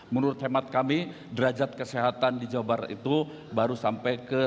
menurut hemat kami derajat kesehatan di jawa barat itu baru sampai ke